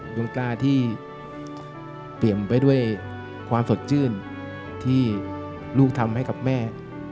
ดวงตาที่เปลี่ยนไปด้วยความสดชื่นที่ลูกทำให้กับแม่